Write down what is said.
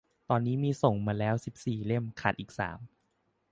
ตอนนี้มีส่งมาแล้วสิบสี่เล่ม ขาดอีกสาม